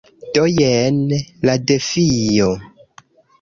Do jen la defio.